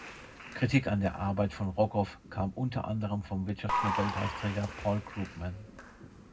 Kritik an der Arbeit von Rogoff kam unter anderem vom Wirtschaftsnobelpreisträger Paul Krugman.